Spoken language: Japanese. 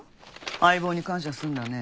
相棒に感謝するんだね。